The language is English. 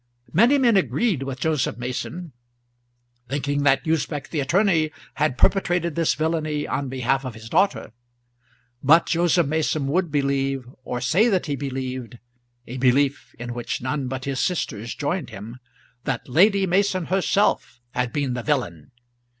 Many men agreed with Joseph Mason, thinking that Usbech the attorney had perpetrated this villainy on behalf of his daughter; but Joseph Mason would believe, or say that he believed a belief in which none but his sisters joined him, that Lady Mason herself had been the villain.